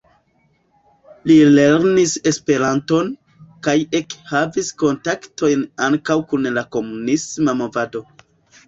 Li lernis Esperanton, kaj ekhavis kontaktojn ankaŭ kun la komunisma movado.